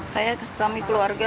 saya kesetami keluarga